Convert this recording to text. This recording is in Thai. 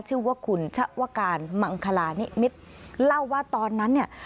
ชื่อว่าคุณชะวการมังคลานิมิตรเล่าว่าตอนนั้นเนี่ย